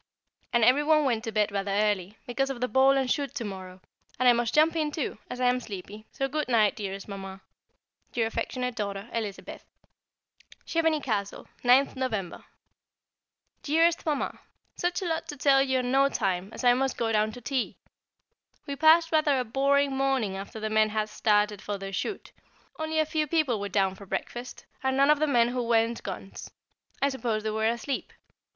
And every one went to bed rather early, because of the ball and shoot to morrow, and I must jump in too, as I am sleepy, so good night, dearest Mamma. Your affectionate daughter, Elizabeth. Chevenix Castle, 9th November. [Sidenote: The Peers' Sad Case] Dearest Mamma, Such a lot to tell you, and no time, as I must go down to tea. We passed rather a boring morning after the men had started for their shoot. Only a few people were down for breakfast, and none of the men who weren't guns. I suppose they were asleep.